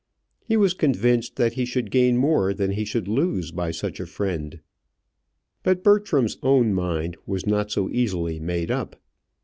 He was convinced that he should gain more than he should lose by such a friend. But Bertram's own mind was not so easily made up.